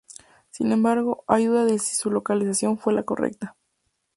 Sin embargo, hay duda de si su localización fue la correcta.